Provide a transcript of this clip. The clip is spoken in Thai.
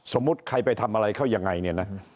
สมมุติใครไปทำอะไรเขายังไงเนี่ยนะ